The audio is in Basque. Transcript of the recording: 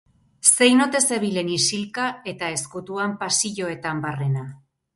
Zein ote zebilen isilka eta ezkutuan pasilloetan barrena?